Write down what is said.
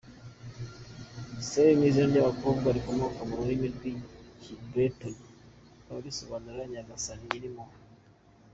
Gaelle ni izina ry’abakobwa rikomoka ku rurimi rw’Ikibreton rikaba risobanura “Nyagasani nyirimpuhwe”.